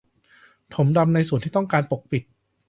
ถมดำในส่วนที่ต้องการปกปิด